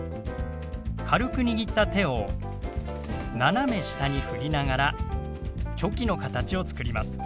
軽く握った手を斜め下にふりながらチョキの形を作ります。